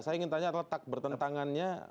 saya ingin tanya letak bertentangannya